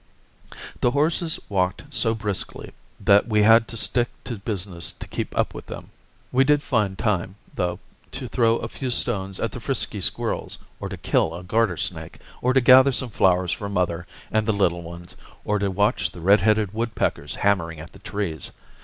The horses walked so briskly that we had to stick to business to keep up with them. We did find time, though, to throw a few stones at the frisky squirrels, or to kill a garter snake, or to gather some flowers for mother and the little ones, or to watch the redheaded woodpeckers hammering at the trees.